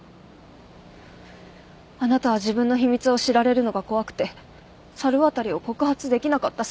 あなたは自分の秘密を知られるのが怖くて猿渡を告発できなかった。